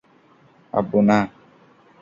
আব্বু, না!